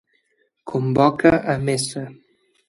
Convoca A Mesa.